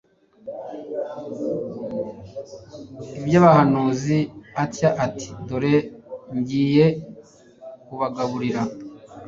iby abahanuzi atya ati dore ngiye kubagaburira